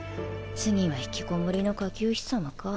次はひきこもりの下級妃さまか